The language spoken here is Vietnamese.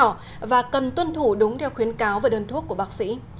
chúng tôi cũng tuân thủ đúng theo khuyến cáo và đơn thuốc của bác sĩ